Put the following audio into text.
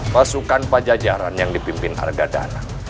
pasukan pajajaran yang dipimpin harga dana